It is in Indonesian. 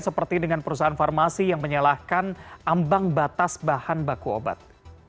seperti dengan perusahaan farmasi yang menyalahkan ambang batas bahan baku obat